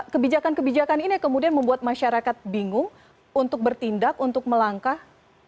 kebijakan kebijakan ini yang kemudian membuat masyarakat bingung untuk bertindak untuk melangkah